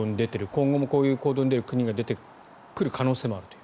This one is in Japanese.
今後もこういう行動に出る国が出てくる可能性もあると。